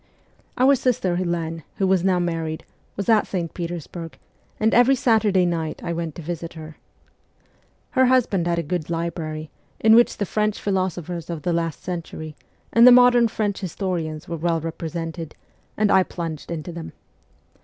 Our sister Helene, who was now married, was at St. Petersburg, and every Saturday night I went to visit her. Her husband had a good library, in which the French philosophers of the last century and the modern French historians were well represented, and I plunged into them.